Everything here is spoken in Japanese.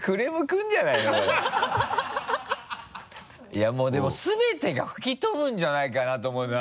いやもうでも全てが吹き飛ぶんじゃないかなと思うの。